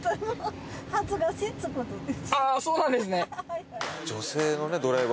ああそうなんですね。